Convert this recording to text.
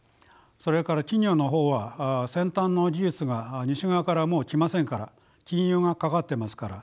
それから企業の方は先端の技術が西側からもう来ませんから禁輸がかかってますから。